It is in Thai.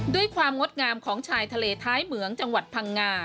งดงามของชายทะเลท้ายเหมืองจังหวัดพังงา